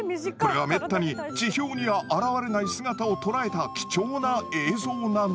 これはめったに地表には現れない姿を捉えた貴重な映像なんです。